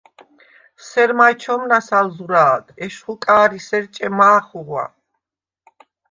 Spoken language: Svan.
სერ მაჲ ჩომნას ალ ზურა̄ლდ: ეშხუ კა̄რისერ ჭემ მა̄ ხუღვა.